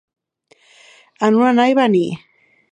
En un anar i venir.